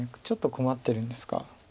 ちょっと困ってるんですか。